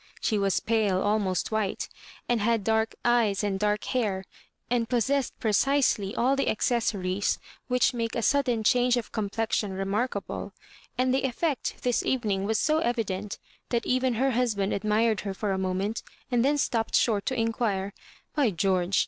She was pale, almost white, and had dark eyes and dark hair, and possessed precisely all the accessories which make a sudden change of complexion remarkable ; and the effect this evening was so evident that even her husband admired her for a moment, and then stopped short to inquire, " By George